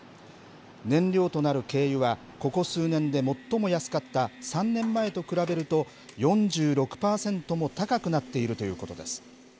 燃料となる軽油は、ここ数年で最も安かった３年前と比べると、４６％も高くなっているということです。